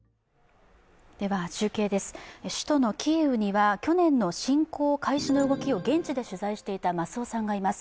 中継です、首都のキーウには去年の侵攻開始の動きを現地で取材していた増尾さんがいます。